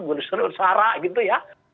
menggunakan seluruh sara gitu ya